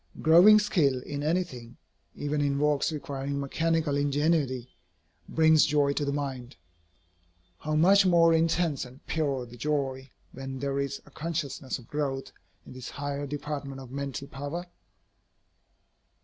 Growing skill in anything, even in works requiring mechanical ingenuity, brings joy to the mind. How much more intense and pure the joy, when there is a consciousness of growth in this higher department of mental power?